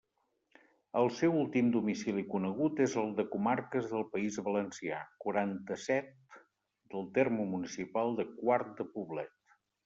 El seu últim domicili conegut és el de Comarques del País Valencià, quaranta-set, del terme municipal de Quart de Poblet.